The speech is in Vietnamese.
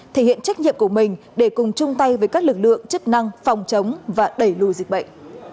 thể hiện trách nhiệm của mình để cùng chung tay với các lực lượng chức năng phòng chống và đẩy lùi dịch bệnh